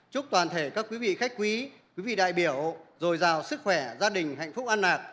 chúc toàn thể các quý vị khách quý quý vị đại biểu dồi dào sức khỏe gia đình hạnh phúc ăn nạc